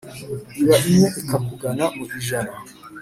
Iba imwe ikakugana mu ijana.